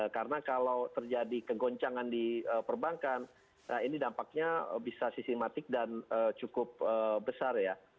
karena kalau terjadi kegoncangan di perbankan ini dampaknya bisa sistematik dan cukup besar ya